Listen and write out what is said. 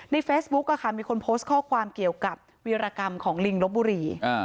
เฟซบุ๊กมีคนโพสต์ข้อความเกี่ยวกับวีรกรรมของลิงลบบุรี